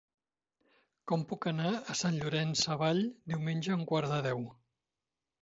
Com puc anar a Sant Llorenç Savall diumenge a un quart de deu?